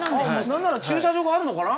なんなら駐車場があるのかな。